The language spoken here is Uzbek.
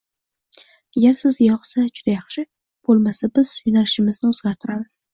Agar sizga yoqsa, juda yaxshi, boʻlmasa biz yoʻnalishimizni oʻzgartiramiz.